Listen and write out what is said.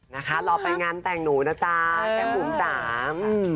นะคะรอไปงานแต่งหนูนะจ๊ะแก่งหนูตาม